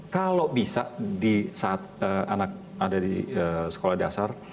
kalau bisa di saat anak ada di sekolah dasar